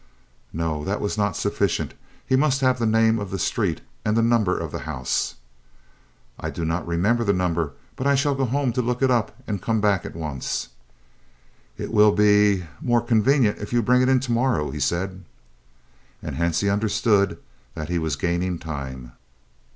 "No, that was not sufficient, he must have the name of the street and the number of the house. "'I do not remember the number, but I shall go home to look it up and come back at once.' "'It will er be more convenient if you bring it to morrow,' he said." And Hansie understood that he was gaining time.